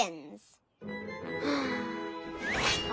はあ。